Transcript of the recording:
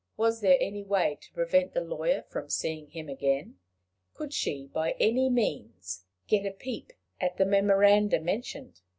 Was there any way to prevent the lawyer from seeing him again? Could she by any means get a peep at the memoranda mentioned?